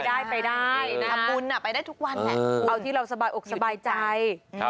ได้ไปได้ทำบุญไปได้ทุกวันแหละเอาที่เราสบายอกสบายใจ